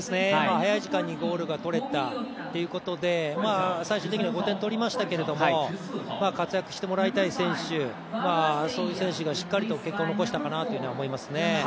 早い時間にゴールがとれたってことで最終的には５点とりましたけれども活躍してもらいたい選手そういう選手がしっかりと結果を残したかなと思いますね。